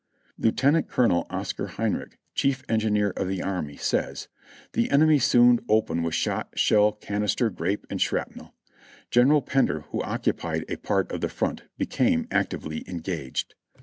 Lieutenant Colonel Oscar Heinrich, Chief Engineer of the Army, says : "The enemy soon opened with shot, shell, canister, grape and shrapnel. General Pender, who occupied a part of the front, became actively engaged.